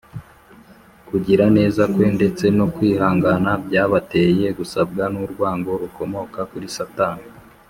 kugira neza kwe ndetse no kwihangana, byabateye gusabwa n’urwango rukomoka kuri satani